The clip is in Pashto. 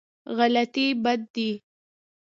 غلطي بد دی.